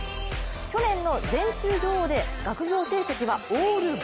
去年の全中女王で、学業成績はオール５。